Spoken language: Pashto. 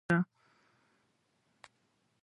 د خوراکي توکو کوچنۍ فابریکې په کابل کې شته.